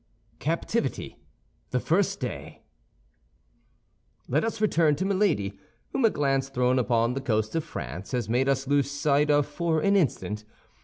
CAPTIVITY: THE FIRST DAY Let us return to Milady, whom a glance thrown upon the coast of France has made us lose sight of for an instant.